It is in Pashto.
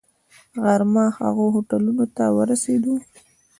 غرمه هغو هوټلونو ته ورسېدو.